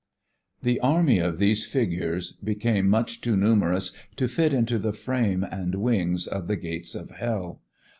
The army of these figures became much too numerous to fit into the frame and wings of the "Gates of Hell."